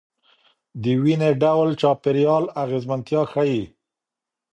دویني ډول چاپیریال اغېزمنتیا ښيي.